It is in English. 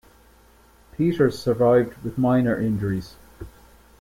Peters survived with minor injuries.